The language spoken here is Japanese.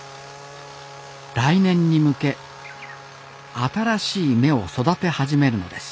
来年に向け新しい芽を育て始めるのです